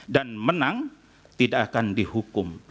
dan menang tidak akan dihukum